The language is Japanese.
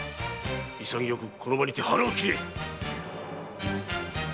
この場にて腹を切れ！